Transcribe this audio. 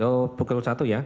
oh pukul satu ya